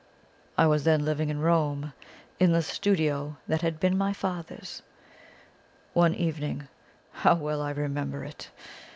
I was then living in Rome, in the studio that had been my father's. One evening how well I remember it!